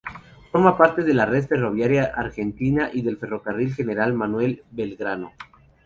Forma parte de la red ferroviaria argentina y del Ferrocarril General Manuel Belgrano.